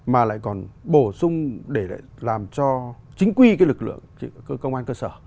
mà lại còn bổ sung để lại làm cho chính quy lực lượng công an cơ sở